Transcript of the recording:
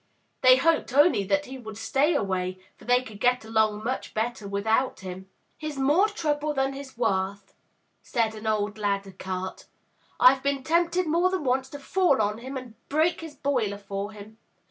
They hoped only that he would stay away, for they could get along much better without him. "He's more trouble than he's worth," said an old ladder cart. "Fve been tempted more than once to fall on him and break his boiler for him.